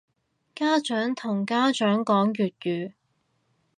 家長同家長講粵語